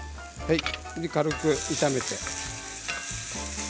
軽く炒めて。